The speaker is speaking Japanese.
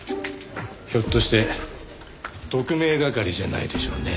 ひょっとして特命係じゃないでしょうね？